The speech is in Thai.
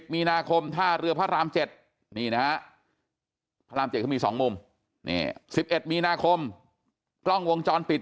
๑๐มีนาคมท่าเรือพระราม๗พระราม๗ก็มี๒มุม๑๑มีนาคมกล้องวงจรปิด